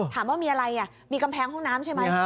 ถามว่ามีอะไรมีกำแพงห้องน้ำใช่ไหม